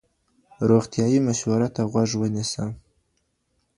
روغتيايي مشورو ته غوږ ونيسه